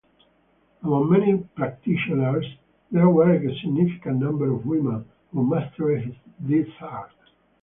Among many practitioners, there were a significant number of women who mastered this art.